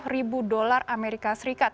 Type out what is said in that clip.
lima ribu dolar amerika serikat